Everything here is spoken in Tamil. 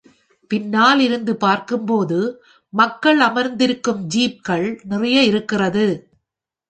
பின்னால் இருந்து பார்க்கும்போது, மக்கள் அமர்ந்திருக்கும் ஜீப்கள் நிறைய இருக்கிறது.